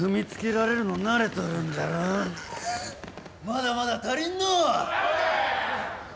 まだまだ足りんのう！